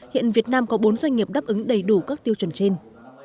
hiện việt nam có bốn doanh nghiệp đáp ứng đầy đủ các tiêu chuẩn trên